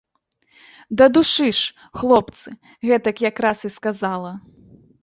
Дадушы ж, хлопцы, гэтак якраз і сказала.